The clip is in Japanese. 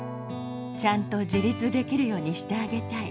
ちゃんと自立できるようにしてあげたい。